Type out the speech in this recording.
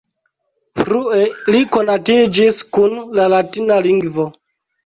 Frue li konatiĝis kun la latina lingvo.